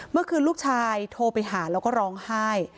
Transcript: เมื่อคืนลูกชายโทรไปหาแล้วก็ร้องไห้